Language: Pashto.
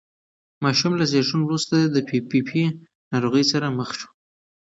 ماشوم له زېږون وروسته د پي پي پي ناروغۍ سره مخ شو.